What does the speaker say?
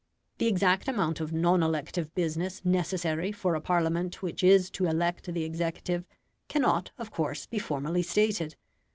The exact amount of non elective business necessary for a Parliament which is to elect the executive cannot, of course, be formally stated.